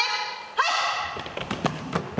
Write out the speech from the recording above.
はい！